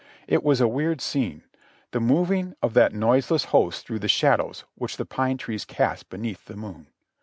It was a weird scene! the moving of that noiseless host through the shadows which the pine trees cast beneath the moon.